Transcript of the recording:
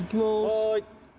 はい。